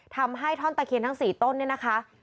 ท่อนตะเคียนทั้ง๔ต้นเนี่ยนะคะ